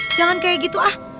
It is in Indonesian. jangan kayak gitu ah